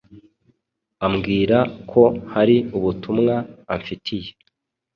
ambwira ko hari ubutumwa amfitiye